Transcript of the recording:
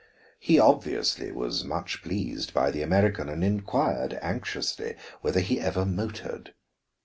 He obviously was much pleased by the American, and inquired anxiously whether he ever motored.